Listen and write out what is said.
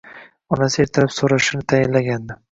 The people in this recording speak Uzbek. Onasi ertalab so`rashini tayinlagandi